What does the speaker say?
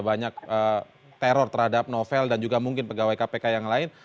banyak teror terhadap novel dan juga mungkin pegawai kpk yang lain